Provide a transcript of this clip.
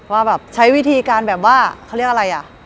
ว่าแบบใช้วิธีการแบบว่าเขาเรียกอะไรอ่ะ